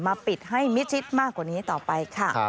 มาปิดให้มิชิตมากกว่านี้ต่อไป